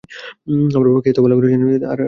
আমার বাবাকে এত ভালো করে চেনেন, আর আমাকে চিনবেন না?